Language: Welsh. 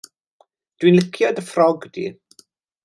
Dw i'n licio dy ffrog di.